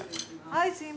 はい。